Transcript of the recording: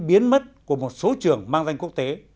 biến mất của một số trường mang danh quốc tế